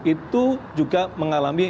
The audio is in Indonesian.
itu juga mengalami